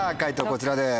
こちらです。